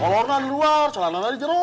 kolornya di luar celana di jeroa